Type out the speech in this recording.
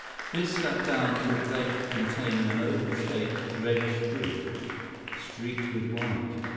Biff sat down to a plate containing an oval shaped, reddish fruit, streaked with white.